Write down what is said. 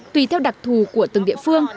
tùy theo đặc thù của từng địa phương